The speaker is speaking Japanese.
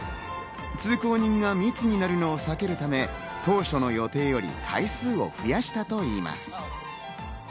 通行人が密になるのを避けるため当初の予定より回数を増やしたといいます。